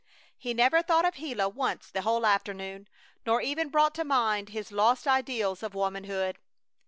He never thought of Gila once the whole afternoon, nor even brought to mind his lost ideals of womanhood.